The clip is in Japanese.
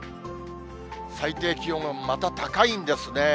最低気温がまた高いんですね。